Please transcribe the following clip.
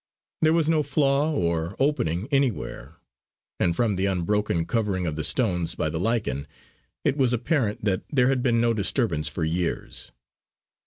There was no flaw or opening anywhere; and from the unbroken covering of the stones by the lichen, it was apparent that there had been no disturbance for years.